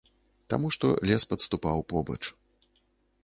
Таму што лес падступаў побач.